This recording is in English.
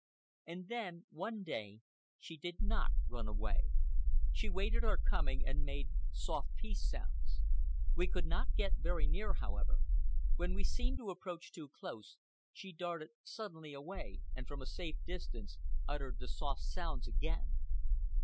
And then, one day, she did not run away. She waited our coming, and made soft peace sounds. We could not get very near, however. When we seemed to approach too close, she darted suddenly away and from a safe distance uttered the soft sounds again.